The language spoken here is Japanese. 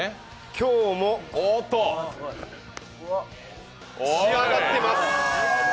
今日も仕上がってます！